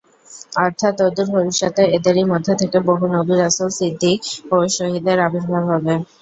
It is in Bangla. অর্থাৎ অদূর ভবিষ্যতে এদেরই মধ্য থেকে বহু নবী-রাসূল, সিদ্দীক ও শহীদের আবির্ভাব হবে।